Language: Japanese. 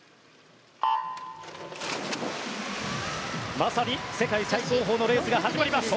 まさに世界最高峰のレースが始まります。